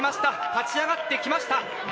勝ち上がってきました。